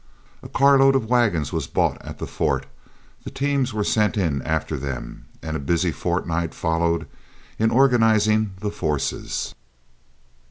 A carload of wagons was bought at the Fort, teams were sent in after them, and a busy fortnight followed in organizing the forces.